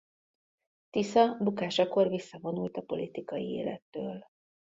Tisza bukásakor visszavonult a politikai élettől.